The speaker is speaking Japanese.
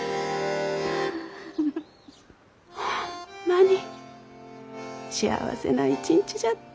ホンマに幸せな一日じゃった。